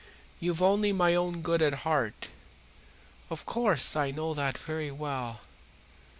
"You've only my own good at heart. Of course I know that very well.